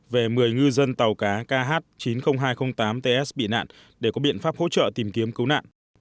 về một mươi ngư dân tàu cá kh chín mươi nghìn hai trăm linh tám ts bị nạn để có biện pháp hỗ trợ tìm kiếm cứu nạn